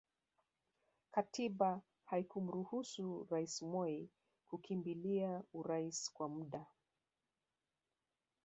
Katiba haikumruhusu Rais Moi kukimbilia urais kwa muda